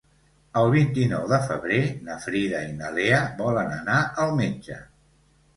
El vint-i-nou de febrer na Frida i na Lea volen anar al metge.